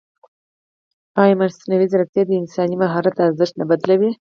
ایا مصنوعي ځیرکتیا د انساني مهارت ارزښت نه بدلوي؟